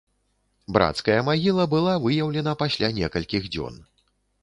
Брацкая магіла была выяўлена пасля некалькіх дзён.